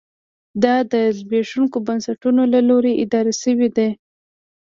دا د زبېښونکو بنسټونو له لوري اداره شوې دي.